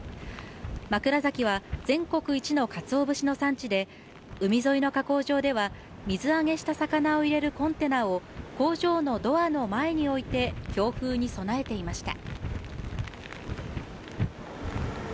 枕崎は全国一のかつお節の産地で、海沿いの加工場では水揚げした魚を入れるコンテナを工場のドアの前に置いて強風に備えていました。